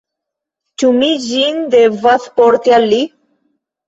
Ĉu mi ĝin devas porti al li?